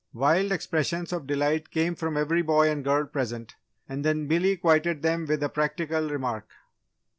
Wild expressions of delight came from every boy and girl present and then Billy quieted them with a practical remark.